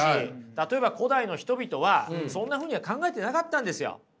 例えば古代の人々はそんなふうには考えてなかったんですよ。